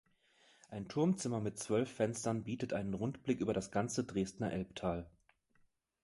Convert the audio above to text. Ein Turmzimmer mit zwölf Fenstern bietet einen Rundblick über das ganze Dresdner Elbtal.